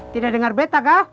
tidak dengar bet kak